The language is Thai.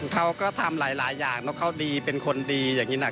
เขาก็ทำหลายอย่างเนอะเขาดีเป็นคนดีอย่างนี้นะ